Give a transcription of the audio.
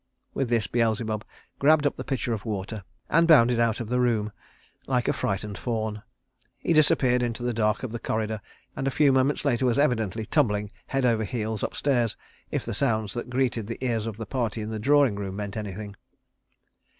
With this Beelzebub grabbed up the pitcher of water, and bounded out of the room like a frightened fawn. He disappeared into the dark of the corridor, and a few moments later was evidently tumbling head over heels up stairs, if the sounds that greeted the ears of the party in the drawing room meant anything.